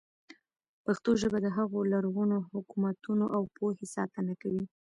پښتو ژبه د هغو لرغونو حکمتونو او پوهې ساتنه کوي.